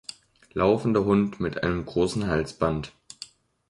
Laufender Hund mit einem großen Halsband.